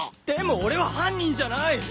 でも俺は犯人じゃない！